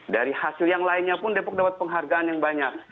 dari hasil yang lainnya pun depok dapat penghargaan yang banyak